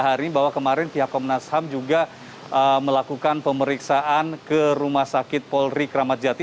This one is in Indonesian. hari ini bahwa kemarin pihak komnas ham juga melakukan pemeriksaan ke rumah sakit polri kramat jati